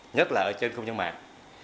nhất là ở trên không gian mạng